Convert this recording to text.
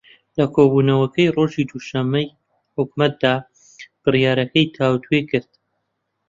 لە کۆبوونەوەکەی ڕۆژی دووشەممەی حکوومەتدا بڕیارەکەی تاووتوێ کرد